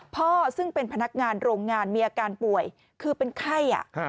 พ่อซึ่งเป็นพนักงานโรงงานมีอาการป่วยคือเป็นไข้